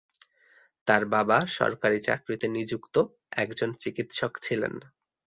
তাঁর বাবা সরকারি চাকরিতে নিযুক্ত একজন চিকিৎসক ছিলেন।